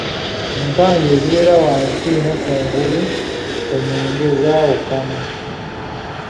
Enkanja ezibeera wansi ne kungulu ku mwenge zaawukana.